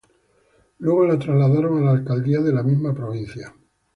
Luego la trasladaron a la Alcaldía de la misma provincia.